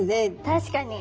確かに。